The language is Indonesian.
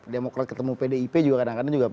demokrat ketemu pdip juga kadang kadang juga